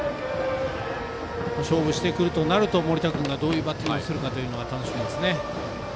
勝負してくるとなると森田君がどういうバッティングをするかが楽しみですね。